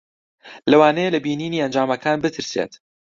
لەوانەیە لە بینینی ئەنجامەکان بترسێت.